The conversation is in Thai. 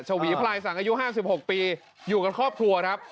วีพลายสังอายุ๕๖ปีอยู่กับครอบครัวครับ